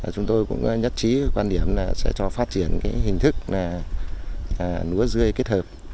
chúng tôi cũng nhất trí quan điểm sẽ cho phát triển hình thức núa rươi kết hợp